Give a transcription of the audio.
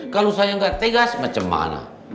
kalau saya gak tegas bagaimana